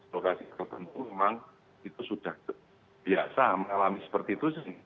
lokasi tertentu memang itu sudah biasa mengalami seperti itu sih